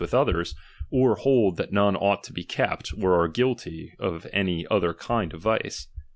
]^ ^,j^j^ Others, or hold that none ^L ought to be kept, or are guilty of any other kind ^H of vice.